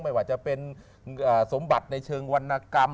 ไม่ว่าจะเป็นสมบัติในเชิงวรรณกรรม